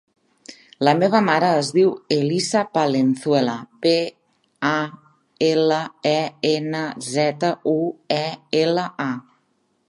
La meva mare es diu Elisa Palenzuela: pe, a, ela, e, ena, zeta, u, e, ela, a.